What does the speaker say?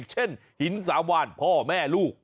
เช่นหินสามวานพ่อแม่ลูก